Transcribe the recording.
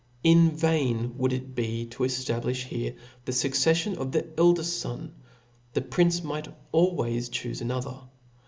In vain woujd it be to efta blidi here the fuccefllon of the eldeft fon ; the prince ] wight always chufe another.